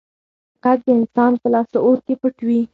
غږ د انسان په لاشعور کې پټ وي.